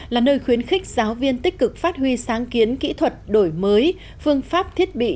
là nơi khuyến khích giáo viên tích cực phát huy sáng kiến kỹ thuật đổi mới phương pháp thiết bị